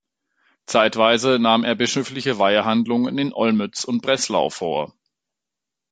Zeitweise nahm er bischöfliche Weihehandlungen in Olmütz und Breslau vor.